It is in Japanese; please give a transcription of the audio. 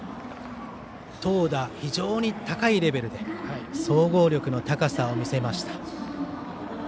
投打、非常に高いレベルで総合力の高さを見せました。